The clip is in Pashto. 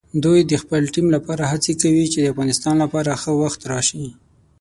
دوی د خپل ټیم لپاره هڅې کوي چې د افغانستان لپاره ښه وخت راشي.